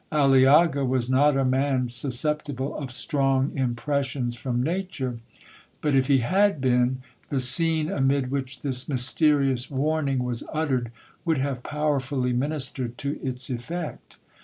Aliaga was not a man susceptible of strong impressions from nature; but, if he had been, the scene amid which this mysterious warning was uttered would have powerfully ministered to its effect.